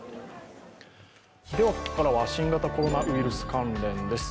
ここからは新型コロナウイルス関連です。